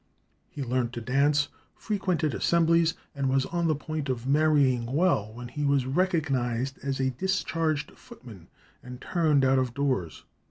He learnt to dance, frequented assemblies, and was on the point of marrying well, when he was recognized as a discharged footman, and turned out of doors.